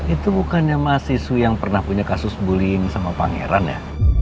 itu bukannya mahasiswi yang pernah punya kasus bullying sama pangeran ya